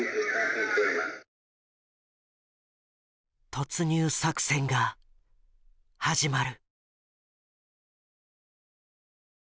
突入作戦が始まる。